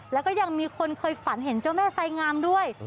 แล้วก็ยังมีคนเคยฝันเห็นเจ้าแม่ไซงามด้วย